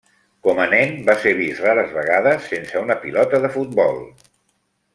Com a nen va ser vist rares vegades sense una pilota de futbol.